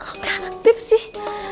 kok ga aktif sih